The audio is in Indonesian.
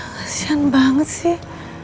kasian banget sih